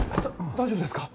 大丈夫ですか？